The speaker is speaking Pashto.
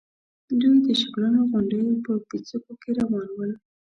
دوی د شګلنو غونډېو په پيڅکو کې روان ول.